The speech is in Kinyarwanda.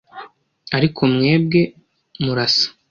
Ariko mwebwe, murasa!